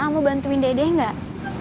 aa mau bantuin dedek enggak